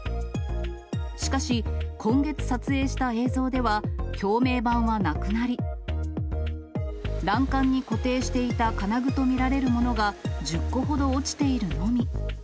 しかし、今月撮影した映像では、橋名板はなくなり、欄干に固定していた金具と見られるものが１０個ほど落ちているのみ。